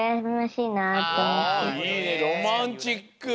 いいねロマンチック。